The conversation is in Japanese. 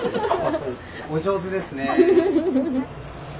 お上手ですね。